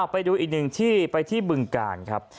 ไปดูอีกหนึ่งที่ไปที่บึงกาลครับ